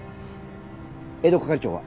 江戸係長は？